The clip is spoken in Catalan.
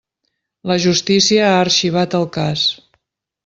La justícia ha arxivat el cas.